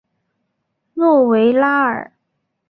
诺维拉尔。